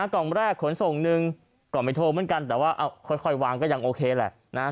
กล่องแรกขนส่งหนึ่งก็ไม่โทรเหมือนกันแต่ว่าค่อยวางก็ยังโอเคแหละ